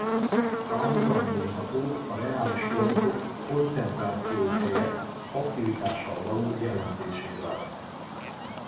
Párhuzam vonható a reális oldatok koncentráció helyett aktivitással való jellemzésével.